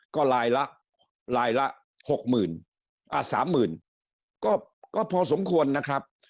ก็ลายละ๖หมื่นอ่ะ๓หมื่นก็พอสมควรนะครับ